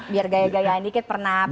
biar gaya gaya ini kan pernah punya kalung